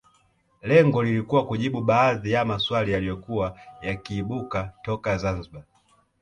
Lengo lilikuwa kujibu baadhi ya maswali yaliyokuwa yakiibuka toka Zanzibar